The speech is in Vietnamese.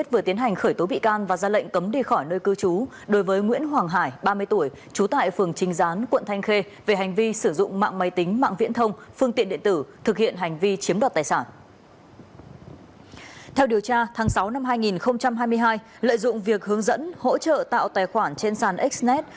tháng sáu năm hai nghìn hai mươi hai lợi dụng việc hướng dẫn hỗ trợ tạo tài khoản trên sàn xnet